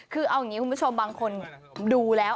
คือเอาอย่างนี้คุณผู้ชมบางคนดูแล้ว